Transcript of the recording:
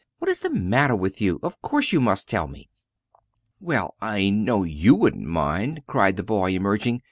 "What is the matter with you? of course you must tell me." "Well, I know you won't mind!" cried the lad, emerging.